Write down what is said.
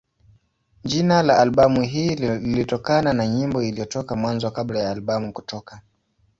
Jina la albamu hii lilitokana na nyimbo iliyotoka Mwanzo kabla ya albamu kutoka.